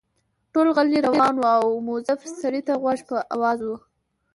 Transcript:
ټول غلي روان وو او مؤظف سړي ته غوږ په آواز وو.